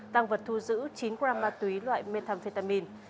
tăng vật thu giữ chín g ma túy loại methamphetamine